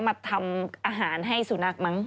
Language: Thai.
มาทำอาหารให้สุนัขมั้ง